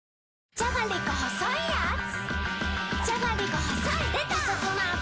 じゃがりこ細いやつ